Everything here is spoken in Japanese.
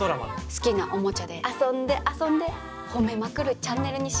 好きなおもちゃで遊んで遊んでほめまくるチャンネルにしようかと。